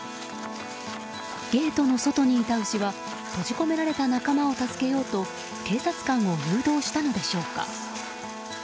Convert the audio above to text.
ゲートの外にいた牛は閉じ込められた仲間を助けようと警察官を誘導したのでしょうか。